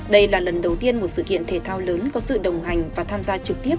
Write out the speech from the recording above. đây là lần đầu tiên một sự kiện thể thao lớn có sự đồng hành và tham gia trực tiếp